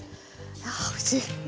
あおいしい。